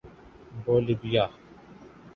Bolivia